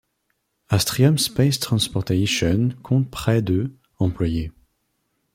Astrium Space Transportation compte près de employés.